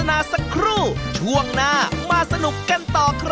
มาปริญชัด